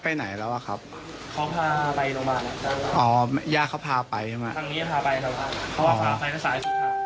เขาอยู่ราวประมาณกี่วันละครับที่มาที่นี่